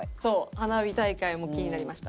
「花火大会」も気になりました。